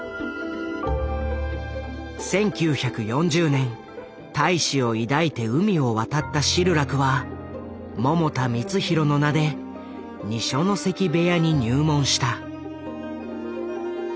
１９４０年大志を抱いて海を渡ったシルラクは百田光浩の名で二所ノ関部屋に入門した。